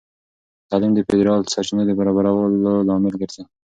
تعلیم د فیدرال سرچینو د برابرولو لامل ګرځي.